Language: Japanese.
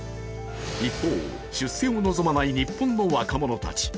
一方、出世を望まない日本の若者たち。